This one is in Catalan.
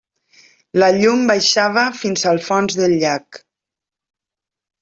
La llum baixava fins al fons del llac.